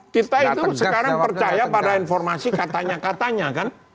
kita itu sekarang percaya pada informasi katanya katanya kan